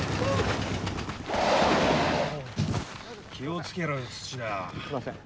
気を付けろよ。